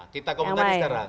kita komentari sekarang